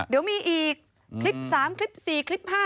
เดี๋ยวมีอีกคลิป๓คลิป๔คลิป๕